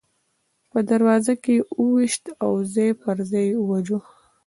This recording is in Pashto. په دروازه کې یې وویشت او ځای پر ځای یې وواژه.